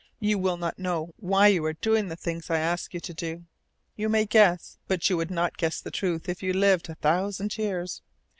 You will not know why you are doing the things I ask you to do. You may guess, but you would not guess the truth if you lived a thousand years.